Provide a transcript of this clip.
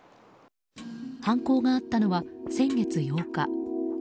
犯行があったのは先月８日。